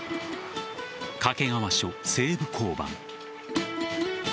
掛川署西部交番。